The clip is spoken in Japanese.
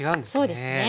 そうですね。